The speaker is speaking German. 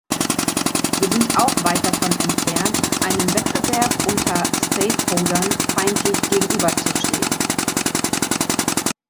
Wir sind auch weit davon entfernt, einem Wettbewerb unter Stakehodern feindlich gegenüber zu stehen.